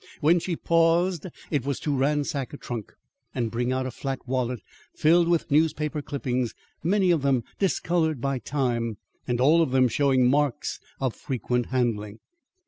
When she paused, it was to ransack a trunk and bring out a flat wallet filled with newspaper clippings, many of them discoloured by time, and all of them showing marks of frequent handling.